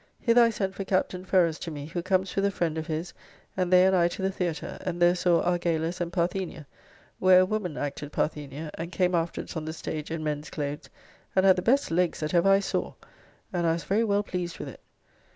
Hither I sent for Captain Ferrers to me, who comes with a friend of his, and they and I to the Theatre, and there saw "Argalus and Parthenia," where a woman acted Parthenia, and came afterwards on the stage in men's clothes, and had the best legs that ever I saw, and I was very well pleased with it.